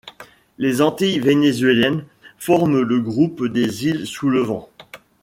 Les Antilles vénézuéliennes forment le groupe des îles Sous-le-Vent.